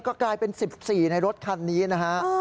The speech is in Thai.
ก็กลายเป็น๑๔ในรถคันนี้นะฮะ